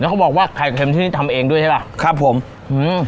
เขาบอกว่าไข่เค็มที่นี่ทำเองด้วยใช่ป่ะครับผมอืม